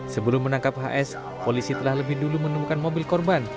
sebelum menangkap hs polisi telah lebih dulu menemukan mobil korban